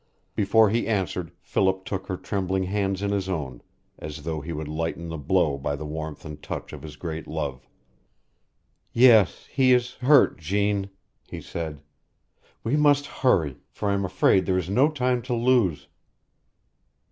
Before he answered Philip took her trembling hands in his own, as though he would lighten the blow by the warmth and touch of his great love. "Yes, he is hurt, Jeanne," he said. "We must hurry, for I am afraid there is no time to lose."